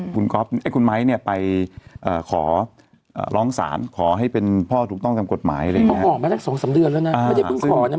คุณไม้เนี่ยไปขอร้องศาลขอให้เป็นพ่อถูกต้องจำกฎหมายอะไรอย่างนี้